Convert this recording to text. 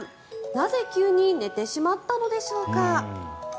なぜ、急に寝てしまったのでしょうか。